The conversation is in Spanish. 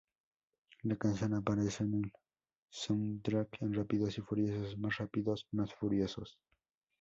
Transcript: La canción aparece en el soundtrack de Rápidos y Furiosos Más Rápidos, Más Furiosos.